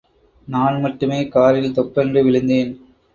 நான் மட்டுமே காரில் தொப்பென்று விழுந்தேன்.